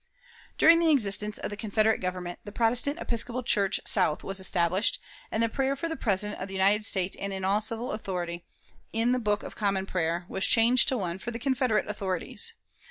During the existence of the Confederate Government, the Protestant Episcopal Church South was established, and the prayer for the President of the United States and all in civil authority, in the "Book of Common Prayer," was changed to one for the Confederate authorities.